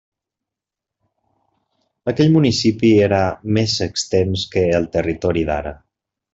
Aquell municipi era més extens que el territori d'ara.